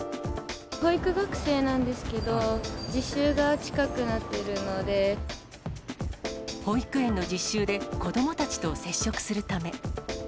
保育学生なんですけど、保育園の実習で、子どもたちと接触するため。